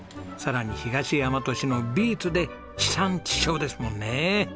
さらに東大和市のビーツで地産地消ですもんね。